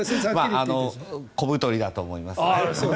小太りだと思います。